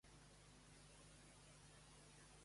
Per què anava algunes vegades a plató, al principi?